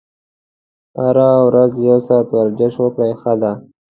هره ورځ یو ساعت ورزش وکړئ ښه ده.